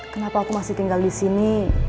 kenapa aku masih tinggal disini